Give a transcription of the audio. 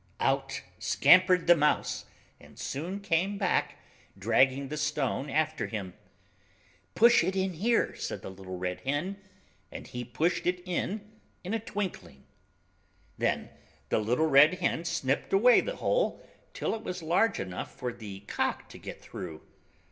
Out scampered the Mouse, and soon came back, dragging the stone after him. "Push it in here," said the little Red Hen, and he pushed it in in a twinkling. Then the little Red Hen snipped away the hole, till it was large enough for the Cock to get through.